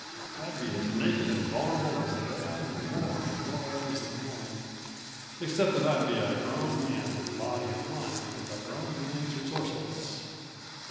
I'd be as naked and vulnerable as the day I was born in more ways than one except that I'd be a grown man in body and mind with a grown man's resourcefulness.